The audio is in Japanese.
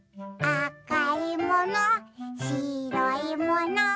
「あかいもの？